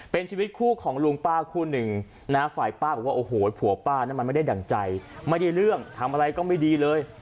เป็นชีวิตคู่ของลุงป้าคู่หนึ่งนะฝ่ายป้าบอกว่าโอ้โหผัวป้านั้นมันไม่ได้ดั่งใจไม่ได้เรื่องทำอะไรก็ไม่ดีเลย